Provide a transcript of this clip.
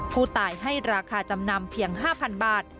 ผู้ตายให้ราคาจำนำเพียง๕๐๐๐บาท